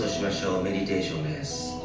メディテーションです。